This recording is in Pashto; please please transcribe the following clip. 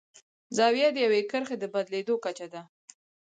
زاویه د یوې کرښې د بدلیدو کچه ده.